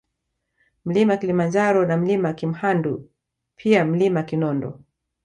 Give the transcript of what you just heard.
Mlima Kilimanjaro na Mlima Kimhandu pia Mlima Kinondo